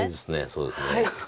そうですね。